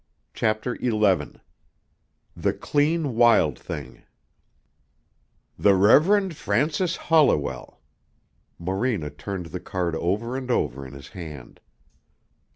CHAPTER XI THE CLEAN WILD THING "The Reverend Francis Holliwell." Morena turned the card over and over in his hand.